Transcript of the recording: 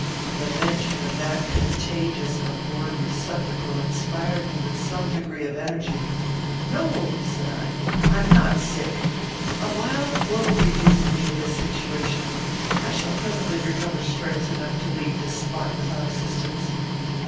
The mention of that contagious and abhorred receptacle inspired me with some degree of energy. "No," said I, "I am not sick; a violent blow reduced me to this situation. I shall presently recover strength enough to leave this spot without assistance."